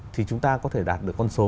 thì chúng ta có thể đạt được con số